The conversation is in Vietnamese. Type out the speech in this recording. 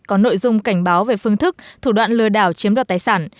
có nội dung cảnh báo về phương thức thủ đoạn lừa đảo chiếm đoạt tài sản